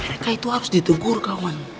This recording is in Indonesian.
mereka itu harus ditegur kawan